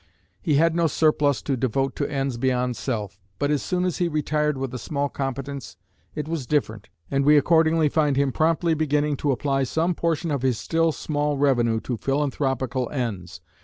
He had no surplus to devote to ends beyond self, but as soon as he retired with a small competence it was different, and we accordingly find him promptly beginning to apply some portion of his still small revenue to philanthropical ends.